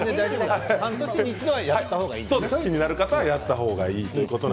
半年に１回はやった方がいいと。